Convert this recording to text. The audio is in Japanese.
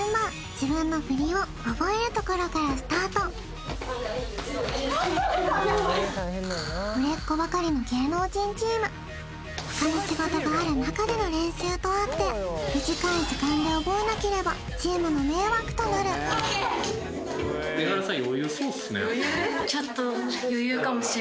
自分の振りを覚えるところからスタート売れっ子ばかりの芸能人チームとあって短い時間で覚えなければチームの迷惑となる伊原さん